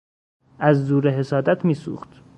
از زور حسادت میسوخت.